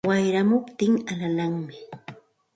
Wayramuptin alalanmi